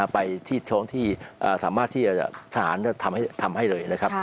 ไปที่ท้องที่สามารถที่ทหารทำให้เลยนะครับ